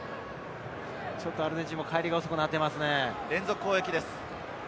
ちょっとアルゼンチン、帰りが遅くなっていますね。